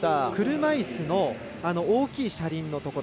車いすの大きい車輪のところ。